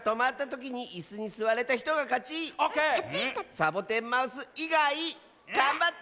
サボテンマウスいがいがんばって！